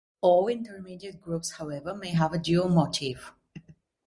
All intermediate groups, however, may have a dual motive.